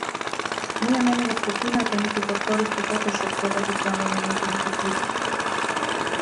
Не ја менува светлината, ниту пак користи фотошоп за да ги промени нејзините слики.